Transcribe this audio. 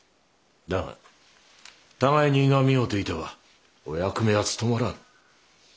だが互いにいがみ合うていてはお役目は務まらん。